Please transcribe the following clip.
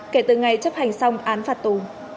kể từ ngày chấp hành xong án phạt tù